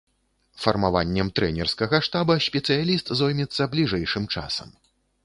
Фармаваннем трэнерскага штаба спецыяліст зоймецца бліжэйшым часам.